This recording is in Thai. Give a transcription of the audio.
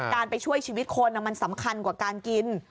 การไปช่วยชีวิตคนมันสำคัญกว่าการกิน